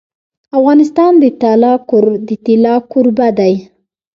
افغانستان د طلا کوربه دی.